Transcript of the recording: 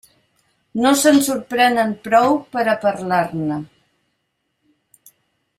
No se'n sorprenen prou per a parlar-ne.